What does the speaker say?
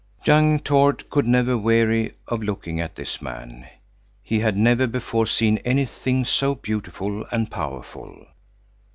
Young Tord could never weary of looking at this man. He had never before seen anything so beautiful and powerful.